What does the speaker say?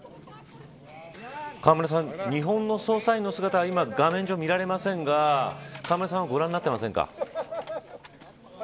河村さん、日本の捜査員の姿は今、画面上見られませんが河村さんはご覧になってませんか。